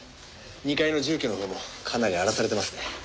２階の住居のほうもかなり荒らされてますね。